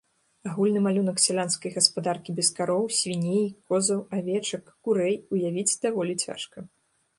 Агульны малюнак сялянскай гаспадаркі без кароў, свіней, козаў, авечак, курэй уявіць даволі цяжка.